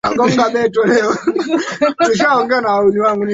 Lisilo na budi hubidi.